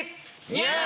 ニャー！